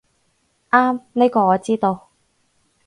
啱，呢個我知道